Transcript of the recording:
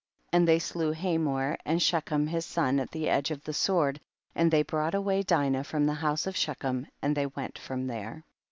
28. And they slew Hamor and Shechem his son at the edge of the sword, and they brought away Dinah from the house of Shechem and they went from there.